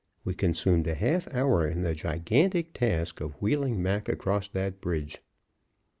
We consumed a half hour in the gigantic task of wheeling Mac across that bridge.